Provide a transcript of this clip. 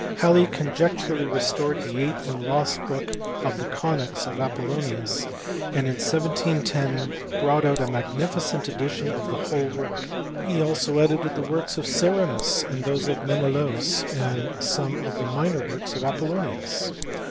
Halley conjectu rally restored the eighth and lost book of the conies of Apollonius, and in 1710 brought out a magnificent edition of the whole work: he also edited the works of Serenus, those of Menelaus, and some of the minor works of Apollonius.